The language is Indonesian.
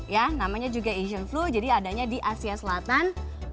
ya namanya juga asian flu jadi adanya di asia selatan